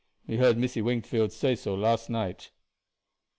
Me heard Missy Wingfield say so last night."